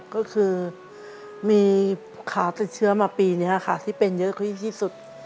ก็คือมีขาติดเชื้อมาปีนี้ค่ะที่เป็นเยอะที่สุด